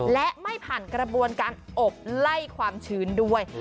และไม่ผ่านกระบวนการอบไล่ความชื้นด้วย